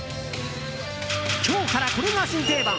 今日から、これが新定番。